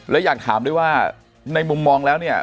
และอยากถามด้วยว่าในมุมมองแล้วเนี่ย